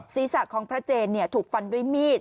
ศีรษะของพระเจนถูกฟันด้วยมีด